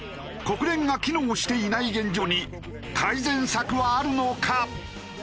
国連が機能していない現状に改善策はあるのか？